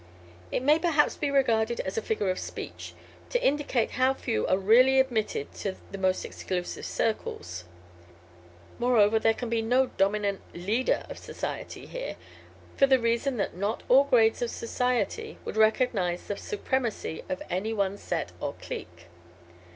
It may perhaps be regarded as a figure of speech, to indicate how few are really admitted to the most exclusive circles. Moreover, there can be no dominant 'leader of society' here, for the reason that not all grades of society would recognize the supremacy of any one set, or clique.